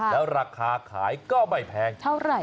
แล้วราคาขายก็ไม่แพงเท่าไหร่